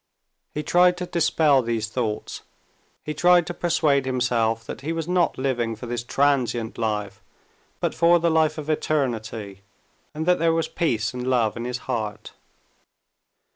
He tried to dispel these thoughts, he tried to persuade himself that he was not living for this transient life, but for the life of eternity, and that there was peace and love in his heart.